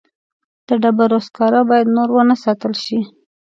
د ډبرو سکاره باید نور ونه ساتل شي.